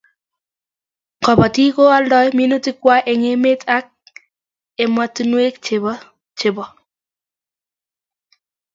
Kabatik ko aldoi minutik kwai eng' emet ak ematinwek che bo